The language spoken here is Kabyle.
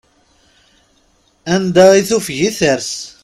Anda i tufeg i ters.